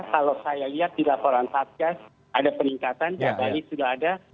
kalau saya lihat di laporan satgas ada peningkatan